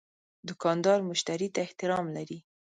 دوکاندار مشتری ته احترام لري.